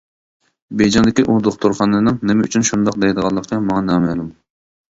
بېيجىڭدىكى ئۇ دوختۇرخانىنىڭ نېمە ئۈچۈن شۇنداق دەيدىغانلىقى ماڭا نامەلۇم.